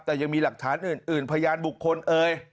แต่ยังมีหลักฐานอื่นพยานบุคคลเอ่ย